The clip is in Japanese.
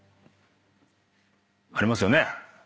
ありますよね？